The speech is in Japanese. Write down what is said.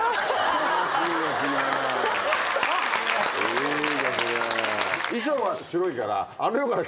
いいですね。